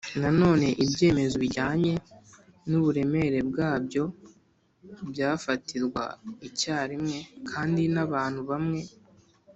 na none ibyemezo bijyanye n'uburemere bwabyo byafatirwa icyarimwe kandi n'abantu bamwe